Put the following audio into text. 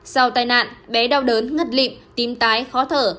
sau tai nạn bé đau đớn ngất lịm tím tái khó thở